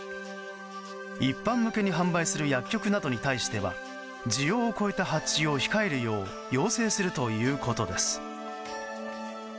一般向けに販売する薬局などに対しては需要を超えた発注を控えるよう要請するということです。